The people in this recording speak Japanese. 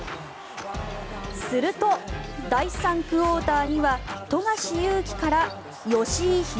すると、第３クオーターには富樫勇樹から吉井裕